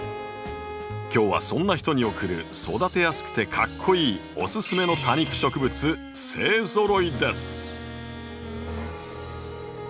今日はそんな人におくる育てやすくてかっこイイおススメの多肉植物勢ぞろいです。